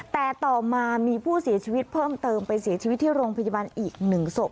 แต่ต่อมามีผู้เสียชีวิตเพิ่มเติมไปเสียชีวิตที่โรงพยาบาลอีก๑ศพ